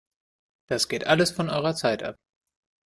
Das geht alles von eurer Zeit ab!